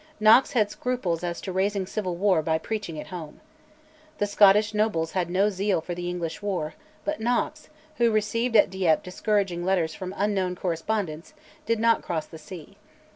Knox had scruples as to raising civil war by preaching at home. The Scottish nobles had no zeal for the English war; but Knox, who received at Dieppe discouraging letters from unknown correspondents, did not cross the sea.